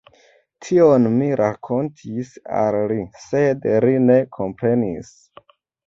Tion mi rakontis al li, sed li ne komprenis.